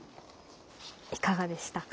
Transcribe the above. いかがでしたか？